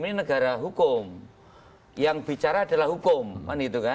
ini negara hukum yang bicara adalah hukum